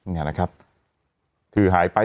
นี่นะครับคือหายไป